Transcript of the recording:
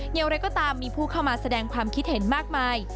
อย่างไรก็ตามมีผู้เข้ามาแสดงความคิดเห็นมากมาย